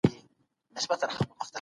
خدای دې زموږ مل وي.